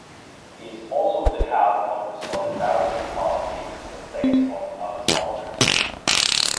He is also the head of the solidarity party in the state of Amazonas.